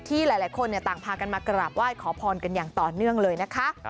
หลายคนต่างพากันมากราบไหว้ขอพรกันอย่างต่อเนื่องเลยนะคะ